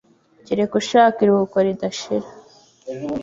kereka ushaka iruhuko ridashira.